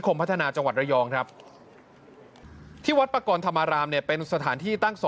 กว่าจะเป็นทางที่ต้อง